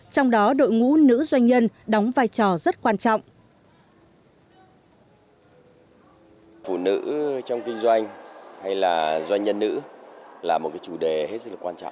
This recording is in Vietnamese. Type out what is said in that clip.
trong đó đội ngũ nữ doanh nhân đóng vai trò rất quan trọng